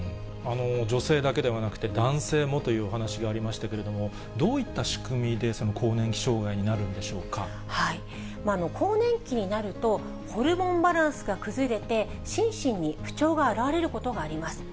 女性だけではなくて、男性もというお話がありましたけれども、どういった仕組みでその更年期になると、ホルモンバランスが崩れて、心身に不調が現れることがあります。